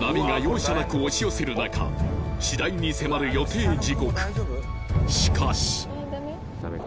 波が容赦なく押し寄せる中次第に迫る予定時刻しかしえダメ？